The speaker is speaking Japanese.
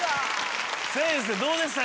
先生どうでした？